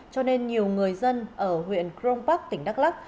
cho nên nhiều người dân ở huyện cron park tỉnh đắk lắk